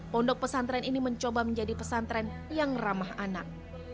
pondok pesantren ini mencoba menjadi pesantren yang ramah anak